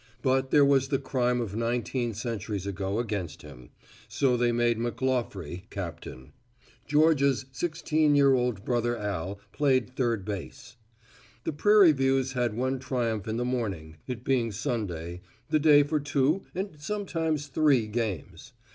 But there was the crime of nineteen centuries ago against him, so they made McClaughrey captain; Georgia's sixteen year old brother Al played third base. The Prairie Views had one triumph in the morning, it being Sunday, the day for two and sometimes three games.